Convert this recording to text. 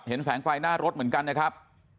แสงไฟหน้ารถเหมือนกันนะครับ